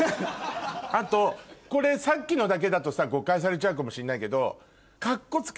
あとこれさっきのだけだと誤解されちゃうかもしれないけど。